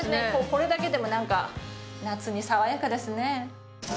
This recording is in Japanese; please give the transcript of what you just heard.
これだけでも何か夏に爽やかですね。